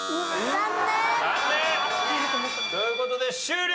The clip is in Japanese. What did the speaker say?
残念。という事で終了。